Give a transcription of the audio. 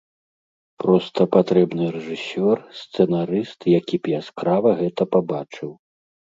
Проста патрэбны рэжысёр, сцэнарыст які б яскрава гэта пабачыў.